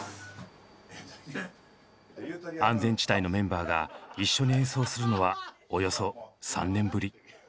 安全地帯のメンバーが一緒に演奏するのはおよそ３年ぶり。